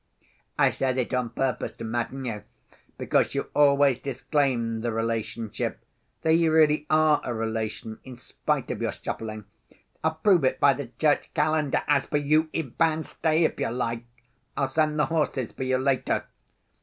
"I said it on purpose to madden you, because you always disclaim the relationship, though you really are a relation in spite of your shuffling. I'll prove it by the church calendar. As for you, Ivan, stay if you like. I'll send the horses for you later.